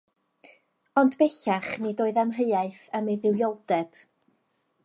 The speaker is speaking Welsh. Ond bellach nid oedd amheuaeth am ei dduwioldeb.